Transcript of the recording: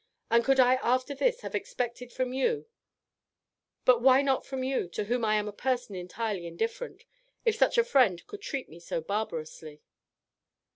and could I after this have expected from you but why not from you, to whom I am a person entirely indifferent, if such a friend could treat me so barbarously?